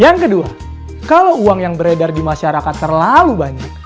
yang kedua kalau uang yang beredar di masyarakat terlalu banyak